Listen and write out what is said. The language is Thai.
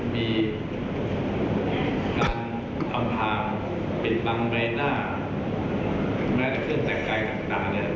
มีการทำทางปิดบังใบหน้าแม้จะขึ้นแต่ใกล้ข้างหน้า